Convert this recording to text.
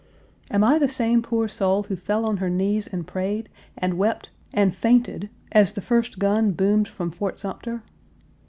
Am I the same poor soul who fell on her knees and prayed, and wept, and fainted, as the first gun boomed from Fort Sumter?